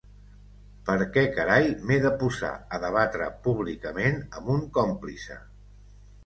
Per què carai m’he de posar a debatre públicament amb un còmplice?